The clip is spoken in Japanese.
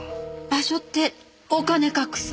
場所ってお金隠す？